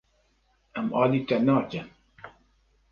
Em alî te nakin.